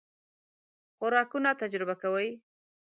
خوراکونه تجربه کوئ؟